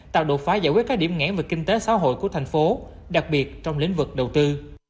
tạo đột phá giải quyết các điểm nghẽn về kinh tế xã hội của thành phố đặc biệt trong lĩnh vực đầu tư